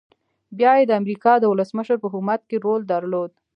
بيا يې د امريکا د ولسمشر په حکومت کې رول درلود.